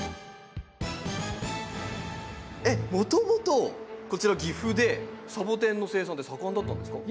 もともとこちら岐阜でサボテンの生産って盛んだったんですか？